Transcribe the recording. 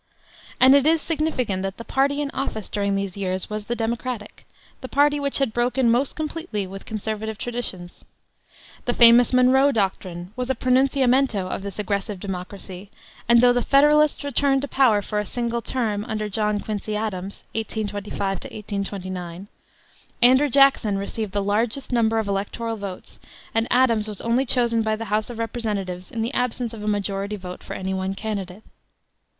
And it is significant that the party in office during these years was the Democratic, the party which had broken most completely with conservative traditions. The famous "Monroe doctrine" was a pronunciamento of this aggressive democracy, and though the Federalists returned to power for a single term, under John Quincy Adams (1825 1829,) Andrew Jackson received the largest number of electoral votes, and Adams was only chosen by the House of Representatives in the absence of a majority vote for any one candidate.